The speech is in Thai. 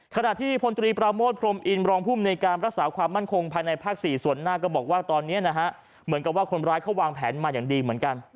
ขณะที่พลตรีปราโมทพรมอินรองภูมิในการรักษาความมั่นคงภายในภาค๔ส่วนหน้าก็บอกว่าตอนนี้นะฮะเหมือนกับว่าคนร้ายเขาวางแผนมาอย่างดีเหมือนกัน